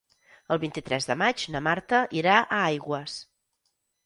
El vint-i-tres de maig na Marta irà a Aigües.